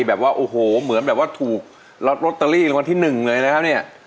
แบบว่าดีใจแบบว่าโอ้โหเหมือนแบบว่าถูกรอตเตอรี่ละวันที่๑เลยนะครับเนี่ย